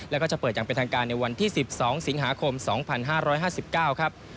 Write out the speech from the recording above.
แล้วก็จะเปิดอย่างเป็นทางการในวันที่๑๒สิงหาคม๒๕๕๙ครับ